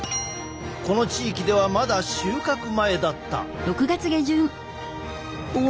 この地域ではまだ収穫前だった。